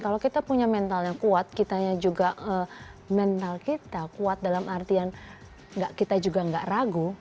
kalau kita punya mental yang kuat kitanya juga mental kita kuat dalam artian kita juga nggak ragu